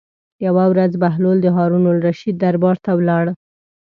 یوه ورځ بهلول د هارون الرشید دربار ته ولاړ.